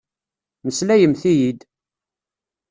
Meslayemt-iyi-d!